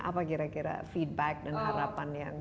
apa kira kira feedback dan harapan yang